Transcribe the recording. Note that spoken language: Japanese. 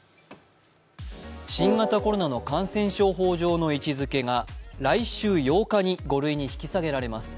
新型コロナの感染症法上の位置づけが来週８日に５類に引き下げられます。